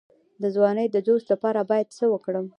د ځوانۍ د جوش لپاره باید څه وکړم؟